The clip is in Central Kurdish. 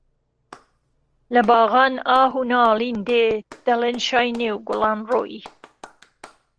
له باغان ئاه و ناڵین دێ، دهڵێن شای نێو گوڵان رۆیی